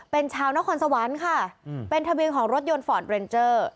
เป็นชาวนครสวรรค์ค่ะเป็นทะเบียนของรถยนต์ฟอร์ดเรนเจอร์